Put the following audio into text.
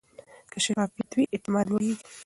که شفافیت وي، اعتماد لوړېږي.